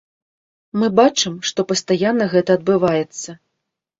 Мы бачым, што пастаянна гэта адбываецца.